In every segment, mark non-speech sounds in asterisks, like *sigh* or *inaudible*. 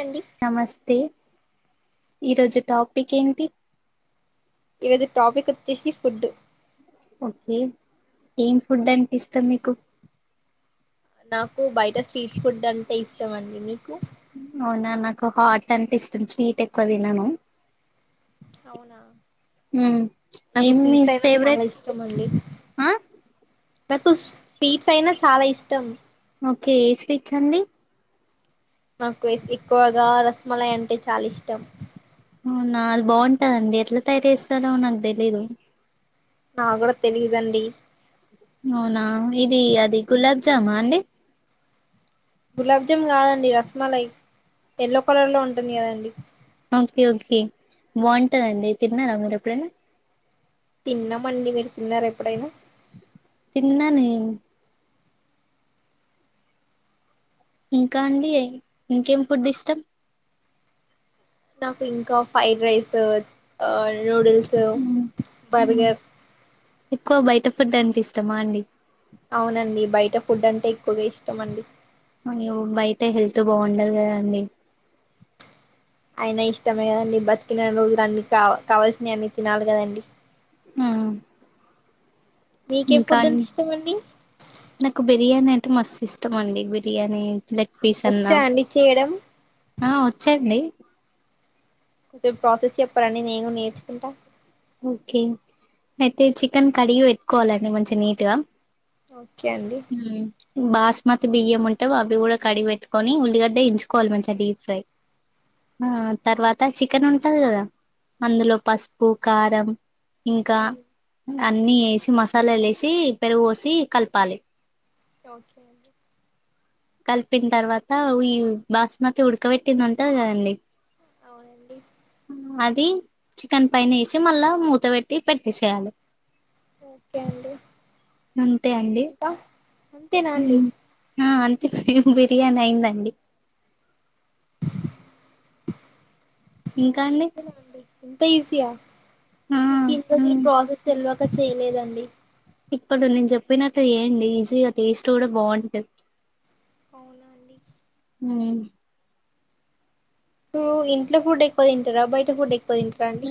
అండి నమస్తే ఈ రోజు టాపిక్ ఏంటి ఈరోజు టాపిక్ వచ్చేసి ఫుడ్ ఓకే ఏం ఫుడ్ అంటే ఇష్టం మీకు నాక్ బయట స్వీట్ ఫుడ్ అంటే ఇ ట్టమండి నీకు అవునా నాకు హాట్ అంటే ఇష్టం స్వీట్ ఎక్కువ తినను అవునా ఉమ్ నాకు ఏం మీ స్వీట్స్ అయిన చాలా ఫేవరెట్ ఇష్టం అండి ఆ నాకు స్వీట్స్ అయినా చాలా ఇష్టం ఓకే ఏ స్వీట్స్ అండి నాకు ఎ ఎక్కువగా రసమలై అంటే చాలా ఇష్టం అవునా అది బాగుంటదండి ఎట్లా తయారు చేస్తారో నాకు తెలీదు నా కూడా తెలీదండి చ్చామా అండి గులాబ్ జామ్ కాదండి రసమలై ఎల్లో కలర్ లో ఉంటుంది కదండి ఓకే ఓకే బాగుంటదండి తిన్నారా మీరు ఎప్పుడైనా తిన్నామండి మీరు తిన్నారా ఎప్పుడైనా తిన్నా నేను ఇంకా అండి ఇంకేం ఫుడ్ ఇష్టం నాకు ఇంకా ఫ్రైడ్ రైసూ నూడిల్స్ ఉమ్ ఉమ్ బర్గర్ ఎక్కువ బయట ఫుడ్ అంటే ఇష్టమా అండి అవునండి బయట ఫుడ్ అంటే ఎక్కువగా ఇష్టం అండి నువు బయట హెల్త్ బాగుండదు కదండి అయిన ఇష్టమే కదండి, బతికినని రోజులు అన్ని కా కావలసినయ్ అన్ని తినాలి కదండీ మీకే ఇంకా ఫుడ్ అం అంటే ఇష్టం అండి నాకు బిర్యానీ టే మస్తు ఇష్టం అండి బిర్యానీ లెగ్ పీస్ అన్నా వచ్చా అండి చేయడం ఆ వచ్చండి ఓకే ప్రాసెస్ చెప్పారాండి నేనూ నేర్చుకుంటా ఓకే అయితే చికెన్ కడిగి పెట్టుకోవాలండి మంచి నీట్గా ఓకే అండి మ్ బాస్ మతి బియ్యం ఉంటే అవి కూడా కడిగి పెట్టుకొని ఉల్లిగడ్డ ఎంచుకోవాలి మంచిగా డీప్ ఫ్రై, మ్ తర్వాత చికెన్ ఉంటది కదా అందులో పసుపు కారం ఇంకా అన్ని ఏసి మసాల లేేసి పెరుగు పోసి కలపాలి ఓకే కలిపిన తర్వాత ఈ బాస్మతి ఉడకబెట్టింది ఉంటది కదండి అవునండి అది చికెన్ పైనేసి మళ్ళా మూత పెట్టి పెట్టేసేయాలి ఓకే అండి అంతే అండి ఇంకా అంతేనా అండి మ్ అ బిర్యానీ అయ్యిందండి ఇంకా అవున అండి అంతేనా అండి ఇంత ఈజీయా ఆ నాకు ఇన్ని రోజులు ఉమ్ ప్రాసెస్ తెలవక కా చేయలేదండి ఇప్పుడు నేను చెప్పినట్టు చెయ్యండి ఈజీగా టేస్ట్ కూడా బాగుంటది అవునా అండి హ్మ్ పూ ఇంట్లో ఫుడ్ ఎక్కువ తింటారా బయట ఫుడ్ ఎక్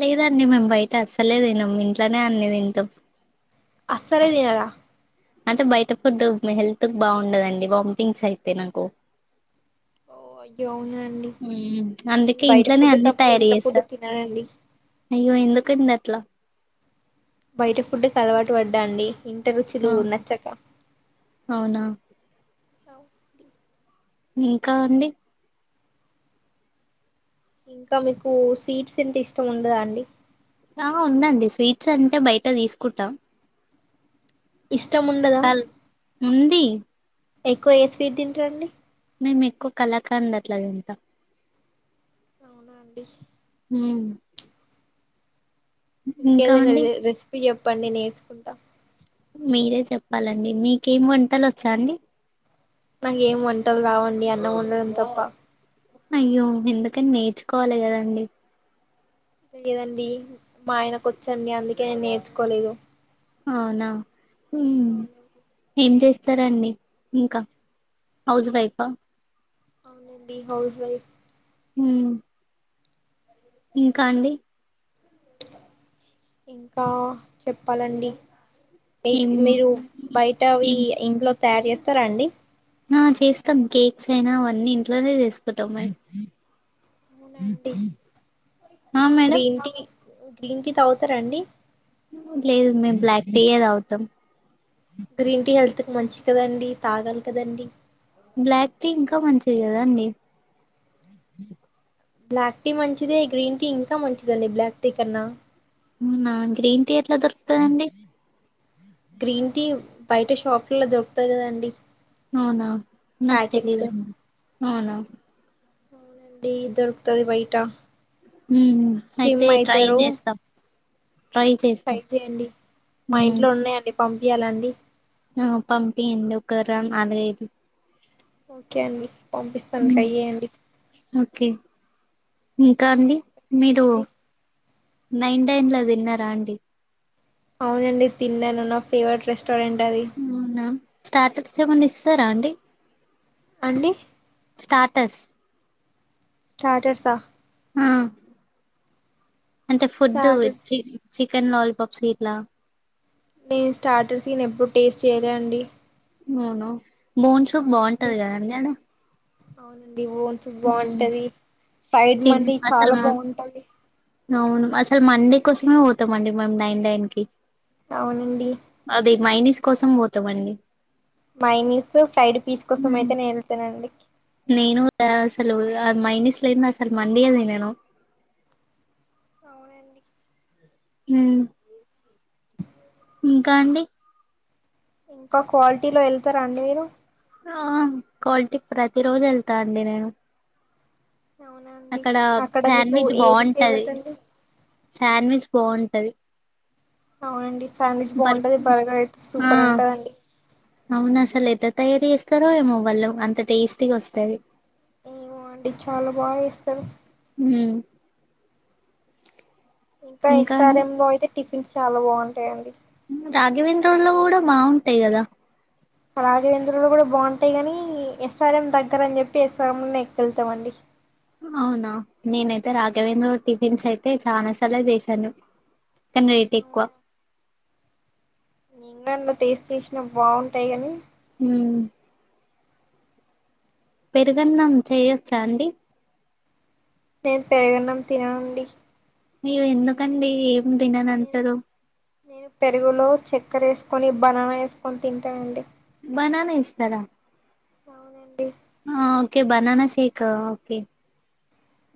లేదండి మేము బయట అసల్ అలే దినం ఇంట్లోనే అన్ని తింటాం అసలే తినరా అంటే బయట ఫుడ్ నా హెల్త్ కి బాగుండదండి వాంతింగ్స్ అయితాయ్ నాకు ఓ అయ్యో అవునా అండి మ్మ్ అందుకే బయట ఇంట్లోనే ఫుడ్ అన్ని తప్ప తయారు ఇంట్లో ఫుడ్ చేసా తిననండి అయ్యో ఎందుకండి అట్లా బయట ఫుడ్ కి అలవాటు పడ్డా అండి ఇంట రుచులూ ఆ నచ్చక అవునా అవునండి ఇంకా అండి ఇంకా మీకూ స్వీట్స్ ట్స్ ఇష్టం ఉండదా అండి ఆ ఉందండి స్వీట్స్ అంటే బయట తీసుకుంటాం ఇష్టం ఉండదా కల్ ఉందీ ఎక్కువ ఏ స్వీట్ తింటారండి మేము ఎక్కువ కళాఖండ్ అట్లా తింట అవునా అండి హ్మ్ ఇంకా ఇంకేదైనా అండి రె రెసిపీ చెప్ ప్పండి నేర్చుకుంటా మీరే చెప్పాలండి మీకేమ్ వంటలు వచ్చా అండి నాకేం వంటలు రావండి అన్నం వండడం తప్ప అయ్యో ఎందుకని నేర్చుకోవాలి కదండి లేదండి మా ఆయనకు వచ్చండి అందుకే నేను నేర్చుకోలేదు అవునా మ్మ్.... అవునండి ఏం చేస్ సరే అండి ఇంకా హౌస్ వైఫా అవునండి హౌస్ వైఫ్ హ్మ్ ఇంకా అండి ఇంకా చెప్పాలండి ఏం మీకు మీరు బయట ఈ ఏం ఇంట్లో తయారు చేత్తర అండి ఆ చేస్తాం కేక్స్ అయినా అవన్నీ ఇంట్లోనే చేసుకుంటాం మేము అవునా అండి ఆ madam green tea green tea తాగుతార అండి లేదు మేము బ్లాక్ టీ యే తాగుతాం గ్రీన్ టీ హెల్త్ మంచి కదండి తాగాలి కదండీ బ్లాక్ టీ ఇంకా మంచిది కదండి బ్లాక్ టీ మంచిదే గ్రీన్ టీ ఇంకా మంచిదండి బ్లాక్ టీ కన్నా ఊనా గ్రీన్ టీ ఎట్లా దొరుకుతదండి గ్రీన్ టీ బయట షాపుల్లో దొరుకుత కదండి అవునా నాకు ప్యాకెట్స్ తెలిదం అవునా అవునండి ఇ దొరుకుతది బయట మ్ అయితే ట్రై చేస్తాం ట్రై టై చేస్తాం చేయండి మా ఉమ్ ఇంట్లో ఉన్నాయండి పం ఇయాల అండి ఆ పంపియండి ఒకరన్న అనేది ఓకే అండి పంపిస్తాను ట్రై ఉమ్ చేయండి ఓకే ఇంకా అండి మీరు చెప్పండి నైన్ టైన్ లో వెళ్లినారా అండి అవునండి తిన్నాను నా ఫేవరెట్ రెస్టారెంట్ అది అవునా స్టార్టర్స్ ఏమన్నా ఇస్తారా అండి అండి టాటస్ స్టాటర్సా ఆ అంటే ఫుడ్ స్టార్టర్స్ చి చి కెన్ లాలీపప్స్ గిట్లా నేను స్టాటర్స్ *inaudible* ఎప్పుడు టేస్ట్ చేయలే అండి అవును బోన్ సూప్ బాగుంటుంది కదాండి ఆడ అవునం ఇదితు ఉమ్ బాగుంటది సైడ్ చిన్ మండి అసలు చాలా బాగుంటది అవును అసలు మండే కోసమే పోతాంమండి మేము నైన్ టైన్ కి అవునండి అది మైనిస్ కోసం పోతావండి మైనస్ ఫ్రైడ్ పీస్ కోసం అయితేనే వెళ్తానండి నేను అసలు మైనిస్లంది అసలు మండీ హె తినను అవునండి మ్ ఇంకా అండి ఇంకా క్వాలిటీ లో వెళ్తారా అండి మీరు ఆ కల్టి ప్రతి రోజు వెళ్తా అండి నేను. అవునండి అక్కడ అక్కడ మీకు శాండ్విచ్ ఏది బాగుంటది ఫేవరెట్ అండి శాండ్విచ్ బాగుంటది. అవునండి శాండ్విచ్ బర్ బాగుంటుంది బరగా అయితే ఆ సూపర్ ఉంటుందండి. అవును అసలు ఎతే తయారుీ చేస్తారో ఏమో వాళ్ళు అంత టేస్టీగా వస్తంది. ఏో అంటే చాలా బాగా ఇస్తారు ఇంకా ఎస్ఆర్ఎంయితే టిఫిన్స్ చాలా బాగుంటాయిడి రాఘవేంద్రులో కూడా బాగుంటాయి కదా రాఘవేంద్ర కూడా బాగుంటాయి కాని ఎస్ఆర్ఎం దగ్గర అని చెప్పి ఎస్ఆర్ఎం లో ఎక్కెళ్తాంండి అవునా నేనైతే రాఘవేంద్ర టిఫిన్స్ అయితే చాలా సర్లే చేసాను కనీ రేట్ ఎక్కువ నిన్నన్న టేస్ట్ చేసినా బాగుంటాయి కానీ ఉ పెరిగన్నం చెయొచ్చా అండి. నేను పెరుగన్నాం తిననుండి. ఎందుకండి ఏమో నేను దిననంటరూ నేను పెరుగులో చక్కెర వేసుకొని బనానా వేసుకొని తింటానండి. బననా వేస్తర అవునండి okay banana shake okay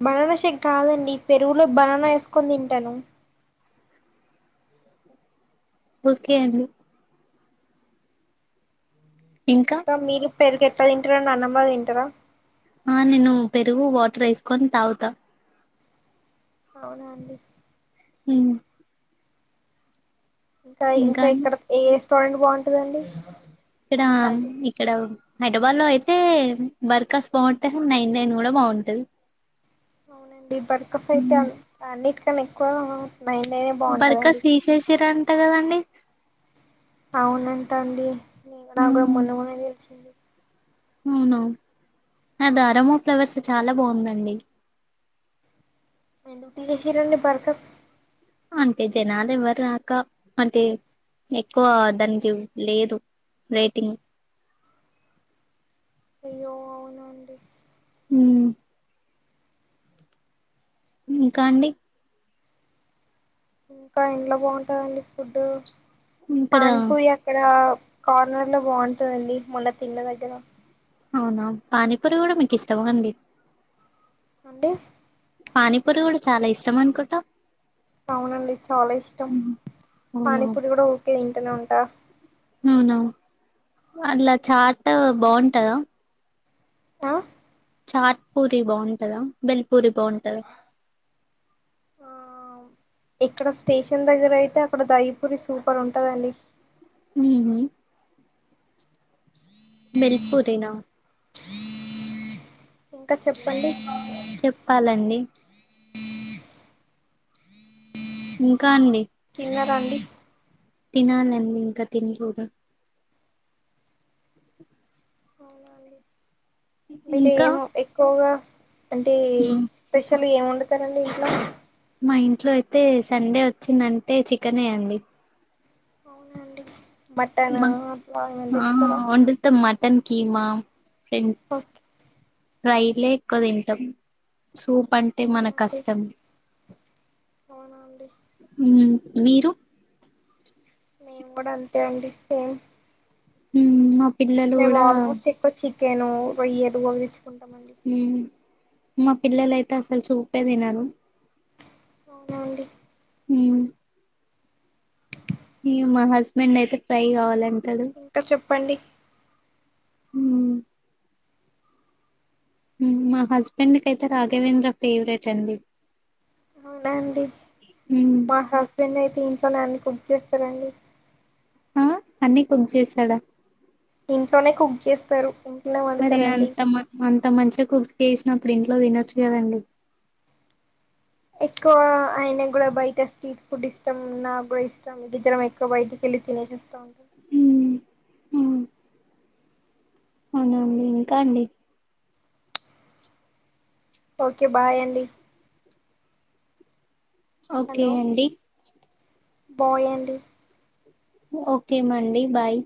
banana shake కాదండి పెరుగులో బనానా వేసుకొని తింటాను ఓకే అండి ఇంకా ఇకా మీరు పేరుకి ఎట్లా తింటారాడి ఆనం లో తింటారా. ఆ నేను పెరుగు వాటర్ వేసుకొని తాగుతా అవునా అండి హ ఇంకా ఇంకా ఇక్కడ ఏ రెస్టారెంట్ బాగుంటుందండి ఇక్కడ ఇక్కడ హైదరాబాద్ లో అయితే బర్ఖస్ బాగుంటే కానీ నైన్ నైన్ కూడా బాగుంటుది. అవునం బర్కాస్ అయితే ఆహ్ ఆనీట్ నేన్ ఎకువగా బర్కా థీసేసిరాన్ అంతే కదండి అవునంటా అండి నాకు కూడా మ్మ్ మొన్న మొన్నన్నే తెలిసి అవునా ఆ తరమో ఫ్లవర్స్ చాలా బాగుందండి ఎందుకు తీషేశ్రండి బర్కస్ అంటే జనాలు ఎవ్వరు రాక అంటే ఎక్కువ దానికి లేదు రేటింగ్ అయ్యో అవునా అండి ఉ ఇంకా అండి ఇంకా ఇంట్లో బాగుంటాద అండి ఫుడ్డు ఇక్కడ పాన్పూరి అక్కడ కార్నర్ లో బంటది అండి మొన్న తిన్న దెగ్గర అవునా పానీపూరి కూడా మీకు ఇష్టమా అండి అంటే పానీపూరి కూడా చాలా ఇష్టం అనుకుంటా అవునండి చాలా ఇష్టం ఉమ్, అవునా పానీపూరి కూడా ఓకే నే ఉంటా అవునా అలా చాట బాగుంటదా ఆ చాట్ పూరి బాగుంటదా బెల్ పూరి బాగుంటదా ఆ ఇక్కడ స్టేషన్ దగ్గర అయితే అక్కడ దహి పూరి సూపర్ ఉంటదండి ఉ హు బెల్ పూరినా ఇంకా చెప్పండి చెప్పాలండి ఇంకా అండి తిన్నారండి తినాలి అండి ఇంకా తిన్లేదు మీరు ఇంకా ఏమో ఎక్కువగా అంటే ఉమ్ స్పెషల్ ఎం వొండు తరండి ఇంట్లో మా ఇంట్లో అయితే సండే వచ్చిందంటే చికెనే అండి అవునండి మటన్, మా ప్రాన్ ఏమి తెచ్చుకోర టన్ కీమా రిన్ ఫ్రైలే ఎక్కువ తింటాం సూప్ అంటే మనకు అవునండి కష్టం అవునా అండి మ్మ్ మీరు మేము కూడా అంతే అండి సేమ్ ఉం పిల్లలు కూడా కెను రొయ్యలు అవి కుంటామండి మ్మ్ మా పిల్లలు అయితే అసలు చూపే తినరు అవునా అండి ఉం మా హస్బెండ్ అయితే ఫ్రై కావాలిం ఇంకా చె ప్పండి ఉం మా హస్బెండ్ కైతే రాఘవేంద్ర ఫేవరెట్ అండి అవున అండి మ్మ్ మా హస్బెండ్ ఐతే ఇంట్లోనే అన్ని కుక్ చేస్తారండి ఆ అన్నీ కుక్ చేస్తాడా ఇంట్లోనే కుక్ చేస్తారు ఇంట్లోనే మరి వండుతారండి అంత మ మ మంచిగా కుక్ చేసినప్పుడు ఇంట్లో తినొచ్చు కదండి ఎక్కువ ఆయన కూడా బయట స్ట్రీట్ ఫుడ్ ఇష్టం నాకు కూడా ఇష్టం ఇదిద్దరం ఎక్కువ బయటికెళ్ళి తినేసి వస్తా ఉంటం ఉమ్ అవునండి ఇంకా అండి ఓకే బాయ్ అండి ఓకే అండి బాయండి ఓకే మండి బాయ్